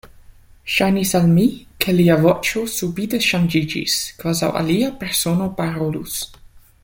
Ŝajnis al mi, ke lia voĉo subite ŝanĝiĝis, kvazaŭ alia persono parolus.